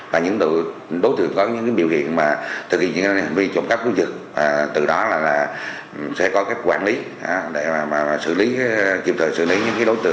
và những đối tượng có những biểu hiện